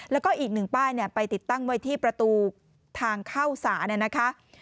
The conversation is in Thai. แล้วก็อีกหนึ่งป้ายไปติดตั้งไว้ที่ประตูทางเข้าสาเนี่ยนะคะ